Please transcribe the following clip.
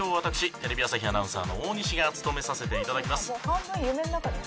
テレビ朝日アナウンサーの大西が務めさせて頂きます。